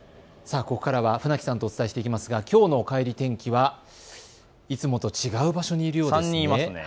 ここからは船木さんとお伝えしていきますが、きょうのおかえり天気はいつもと違う場所にいるようですね。